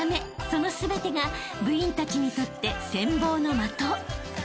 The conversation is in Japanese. その全てが部員たちにとって羨望の的］